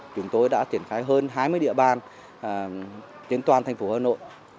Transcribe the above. chúng tôi đã triển khai hơn hai mươi địa bàn trên toàn thành phố hà nội